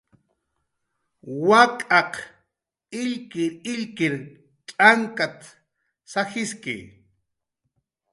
"Wak'aq illkirillkir t'ankat"" sajiski"